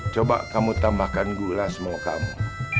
coba kamu tambahkan gula semua kamu